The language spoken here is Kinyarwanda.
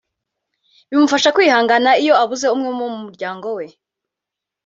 bimufasha kwihangana iyo abuze umwe mu bo mu muryango we